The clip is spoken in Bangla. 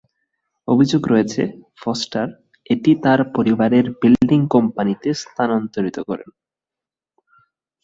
অভিযোগ রয়েছে, ফস্টার এটি তার পরিবারের বিল্ডিং কোম্পানিতে স্থানান্তরিত করেন।